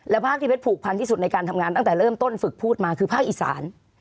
ภาคที่เพชรผูกพันที่สุดในการทำงานตั้งแต่เริ่มต้นฝึกพูดมาคือภาคอีสาน